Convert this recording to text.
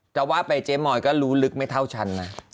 จะว่าไปเจ๊มอยก็รู้ลึกไม่เท่าฉันนะ